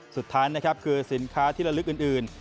สุดท้านคือสินค้าที่ละลึกอื่น